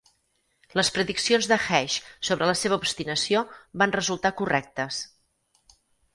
Les prediccions de Hesh sobre la seva obstinació van resultar correctes.